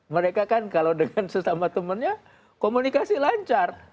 mereka kan kalo dengan sesama temennya komunikasi lancar